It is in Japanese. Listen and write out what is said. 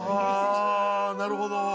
なるほど。